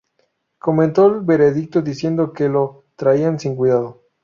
Comentó el veredicto diciendo que "lo traía sin cuidado".